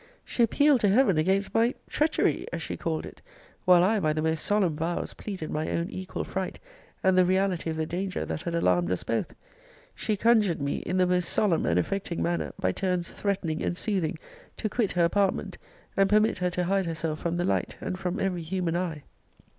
She appealed to Heaven against my treachery, as she called it; while I, by the most solemn vows, pleaded my own equal fright, and the reality of the danger that had alarmed us both. She conjured me, in the most solemn and affecting manner, by turns threatening and soothing, to quit her apartment, and permit her to hide herself from the light, and from every human eye.